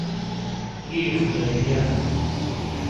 ہِئیو شُرارِیا!